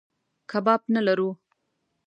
کباب نه لرو.